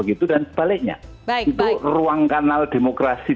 itu ruang kanal demokrasi